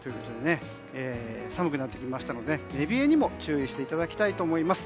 寒くなってきましたので寝冷えにも注意していただきたいと思います。